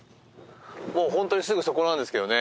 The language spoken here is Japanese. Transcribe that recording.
ホントにすぐそこなんですけどね。